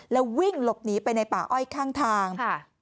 แล้ววิ่งหลบหนีไปในป่าอ้อยข้างทาง